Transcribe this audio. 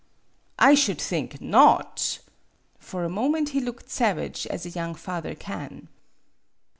" I should think not !" For a moment he looked savage as a young father can.